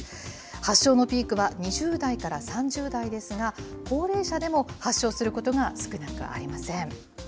発症のピークは２０代から３０代ですが、高齢者でも発症することが少なくありません。